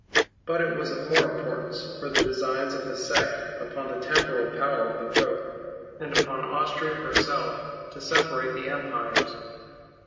But it was of more importance for the designs of the sect upon the temporal power of the Pope, and upon Austria herself, to separate the Empires.